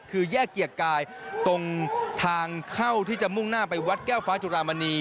คือแยกเกียรติกายตรงทางเข้าที่จะมุ่งหน้าไปวัดแก้วฟ้าจุรามณี